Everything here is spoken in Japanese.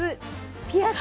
ピアス。